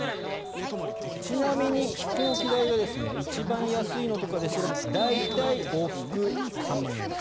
ちなみに飛行機代が一番安いので調べると大体、往復３万円。